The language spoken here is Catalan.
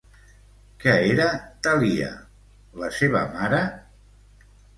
Què era Talia, la seva mare?